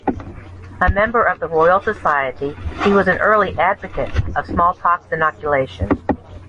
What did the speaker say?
A member of the Royal Society, he was an early advocate of smallpox inoculation.